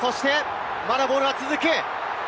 まだボールは続く。